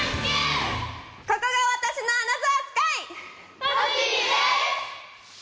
・ここが私のアナザースカイ！栃木です！